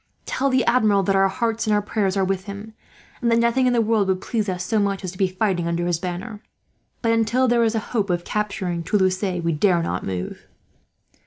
Tell the Admiral that our hearts and our prayers are with him, and that nothing in the world would please us so much as to be fighting under his banner; but until there is a hope of capturing Toulouse, we dare not move."